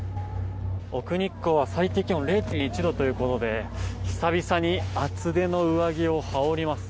奥日光は最低気温０．１度ということで久々に厚手の上着を羽織ります。